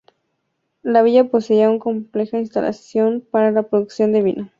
La villa poseía una compleja instalación para la producción de vino.